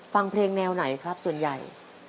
ฟังเพลงแนวไหนครับส่วนใหญ่